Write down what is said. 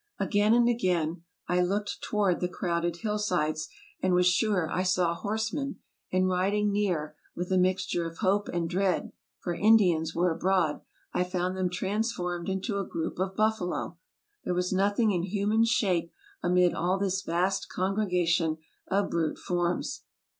Again and again I looked toward the crowded hillsides, and was sure I saw horsemen; and riding near, with a mixture of hope and dread, for Indians were abroad, I found them transformed into a group of buffalo. There was nothing in human shape amid all this vast congregation of brute forms.